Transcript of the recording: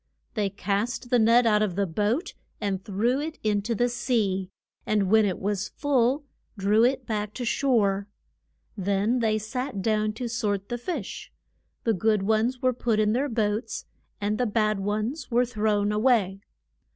They cast the net out of the boat and threw it in to the sea, and when it was full drew it back to shore. Then they sat down to sort the fish; the good ones were put in their boats, and the bad ones were thrown a way.